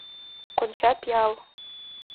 Конча пиал.